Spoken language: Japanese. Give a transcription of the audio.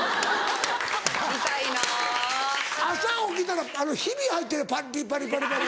・見たいな・朝起きたらヒビ入ってるパリパリパリパリ。